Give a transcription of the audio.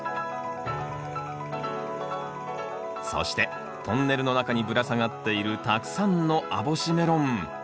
そしてトンネルの中にぶら下がっているたくさんの網干メロン。